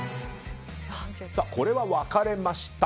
これは分かれました。